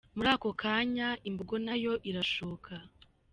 Muri ako kanya, imbogo na yo irashoka.